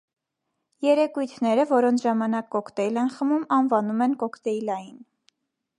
Երեկույթները, որոնց ժամանակ կոկտեյլ են խմում, անվանում են «կոկտեյլային»։